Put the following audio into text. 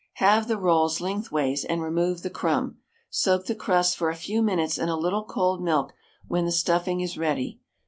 Halve the rolls lengthways and remove the crumb; soak the crusts for a few minutes in a little cold milk when the stuffing is ready.